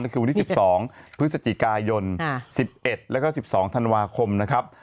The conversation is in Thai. ก็คือวันที่๑๒พฤศจิกายน๑๑แล้วก็๑๒ธันวาคมนะครับ